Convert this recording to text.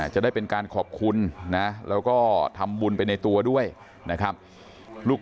จะได้เป็นการขอบคุณนะแล้วก็ทำบุญไปในตัวด้วยนะครับ